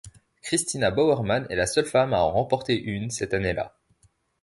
Cristina Bowerman est la seule femme à en remporter une cette année-là.